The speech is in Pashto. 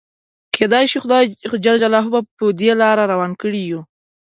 کيدای شي خدای به په دې لاره روان کړي يو.